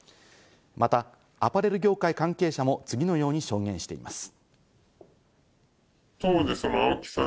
またアパレル業界関係者も次のように証言しています。